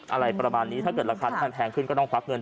อะไรประมาณนี้ถ้าเกิดราคาน้ำมันแพงขึ้นก็ต้องควักเงิน